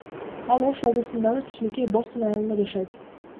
Ал Ош облусундагы кичинекей Бостон айылында жашайт.